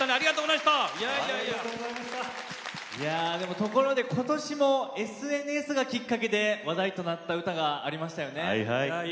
ところで、ことしもＳＮＳがきっかけで話題となった歌がありましたね。